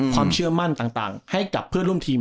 ความเชื่อมั่นต่างให้กับเพื่อนร่วมทีม